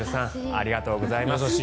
ありがとうございます。